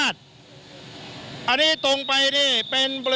สถานการณ์ข้อมูล